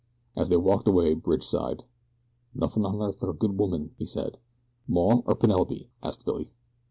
As they walked away Bridge sighed. "Nothing on earth like a good woman," he said. "'Maw,' or 'Penelope'?" asked Billy.